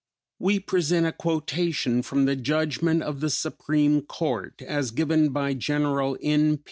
We present a quotation from the judgment of the Supreme Court, as given by General N.